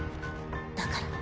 だから。